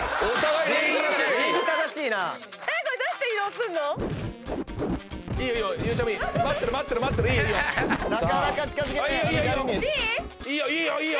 いいよいいよいいよ！